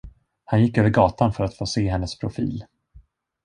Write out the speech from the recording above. Han gick över gatan för att få se hennes profil.